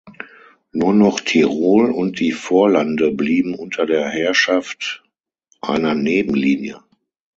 Nur noch Tirol und die Vorlande blieben unter der Herrschaft einer Nebenlinie.